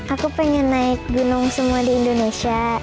aku pengen naik gunung semua di indonesia